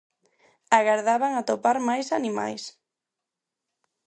Agardaban atopar máis animais.